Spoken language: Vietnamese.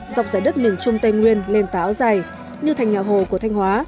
dọc dài đất miền trung tây nguyên lên tà áo dài như thành nhà hồ của thanh hóa